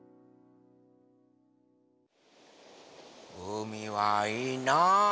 うみはいいな。